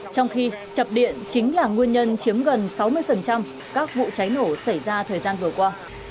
trong khi chập điện chính là nguyên nhân chiếm gần sáu mươi các vụ cháy nổ xảy ra thời gian vừa qua